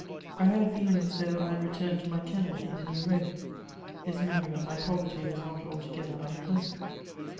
I had a feeling as though I had returned to my kennel in the New Road; this memory of my poverty was not altogether unpleasant.